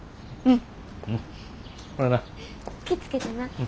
うん。